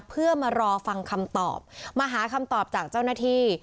เพื่อมารอฟังคำตอบมาหาคำตอบจากเจ้าหน้าที่